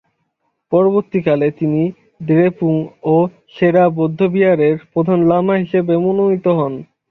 পরবর্তীকালে তিনি দ্রেপুং ও সেরা বৌদ্ধবিহারের প্রধান লামা হিসেবে মনোনীত হন।